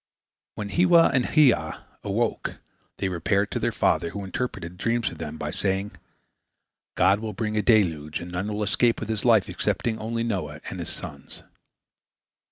When Hiwwa and Hiyya awoke, they repaired to their father, who interpreted the dreams for them, saying, "God will bring a deluge, and none will escape with his life, excepting only Noah and his sons."